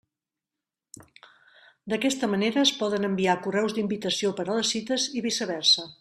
D'aquesta manera es poden enviar correus d'invitació per a les cites i viceversa.